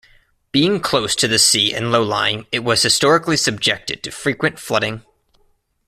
Being close to the sea and low-lying, it was historically subjected to frequent flooding.